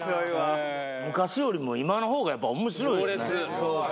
昔よりも今のほうが、やっぱおもしろいですね。